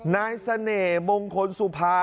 นายเสน่ห์มงคลสุภา